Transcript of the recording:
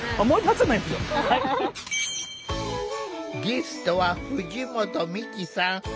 ゲストは藤本美貴さん。